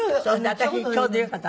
私ちょうどよかった。